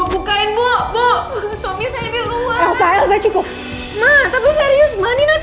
bu elsa bisa diam gak